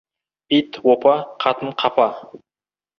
Ит — опа, қатын — қапа.